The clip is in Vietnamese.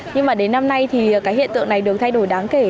nhưng mà đến năm nay thì cái hiện tượng này được thay đổi đáng kể